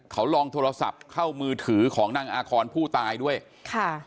เขาลองโทรศัพท์เข้ามือถือของนางอาคอนผู้ตายด้วยค่ะ